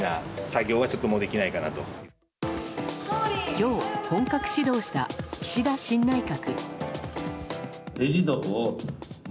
今日、本格始動した岸田新内閣。